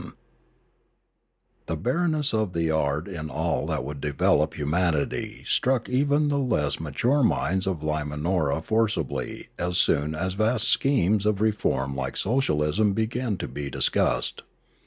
An Epidemic 403 The barrenness of the art in all that would develop humanity struck even the less mature minds of Lima nora forcibly as soon as vast schemes of reform like socialism began to be discussed.